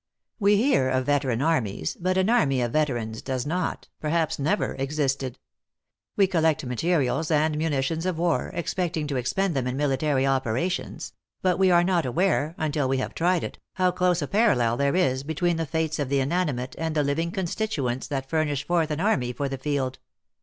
We hear of veteran armies, but an army of veterans does not, perhaps never existed. We col lect materials and munitions of war, expecting to ex pend them in military operations ; but we are not aware, until we have tried it, how close a parallel there is between the fates of the inanimate and the living constituents that furnish forth an army for the field.